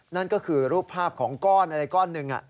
นั่นก็คือรูปภาพของก้อนอะไรก้อนหนึ่ง